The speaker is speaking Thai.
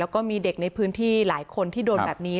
แล้วก็มีเด็กในพื้นที่หลายคนที่โดนแบบนี้